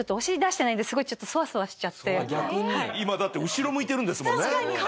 私今だって後ろ向いてるんですもんね？